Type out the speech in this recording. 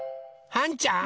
はんちゃん？